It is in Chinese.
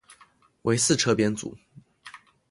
为四车编组。